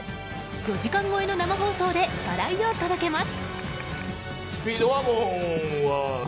４時間超えの生放送で笑いを届けます。